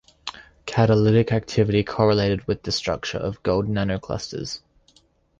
Catalytic activity correlated with the structure of gold nanoclusters.